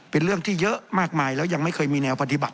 เป็นเรื่องที่เยอะมากมายแล้วยังไม่เคยมีแนวปฏิบัติ